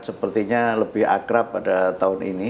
sepertinya lebih akrab pada tahun ini